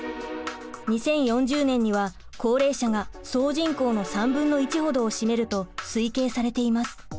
２０４０年には高齢者が総人口の３分の１ほどを占めると推計されています。